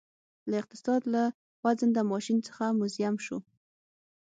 له اقتصاد له خوځنده ماشین څخه موزیم شو